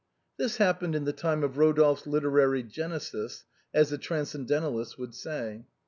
This happened in the time of Rodolphe's literary genesis, as the transcendentalists would say.